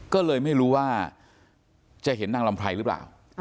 ก็เลยไม่รู้ว่าจะเห็นนางลำไพรหรือเปล่า